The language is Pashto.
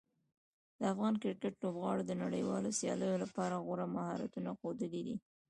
د افغان کرکټ لوبغاړو د نړیوالو سیالیو لپاره غوره مهارتونه ښودلي دي.